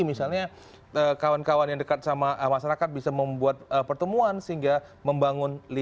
misalnya kawan kawan yang dekat sama masyarakat bisa membuat pertemuan sehingga membangun